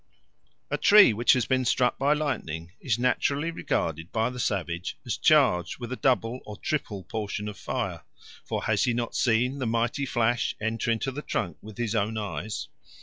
A tree which has been struck by lightning is naturally regarded by the savage as charged with a double or triple portion of fire; for has he not seen the mighty flash enter into the trunk with his own eyes?